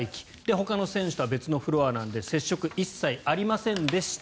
ほかの選手とは別のフロアなので接触は一切ありませんでした。